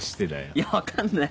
いや分かんない。